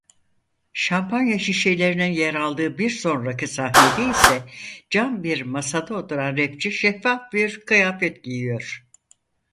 Şampanya şişelerinin yer aldığı bir sonraki sahnede ise cam bir masada oturan rapçi şeffaf bir kıyafet giyiyor.